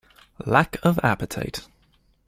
Lack of appetite!